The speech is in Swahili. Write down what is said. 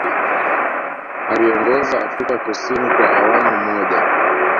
Aliiongoza Afrika Kusini kwa awamu moja